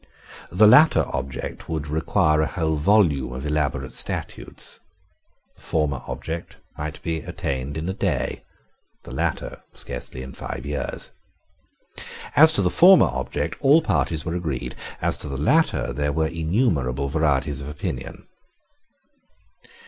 The latter object would require a whole volume of elaborate statutes. The former object might be attained in a day; the latter, scarcely in five years. As to the former object, all parties were agreed: as to the latter, there were innumerable varieties of opinion.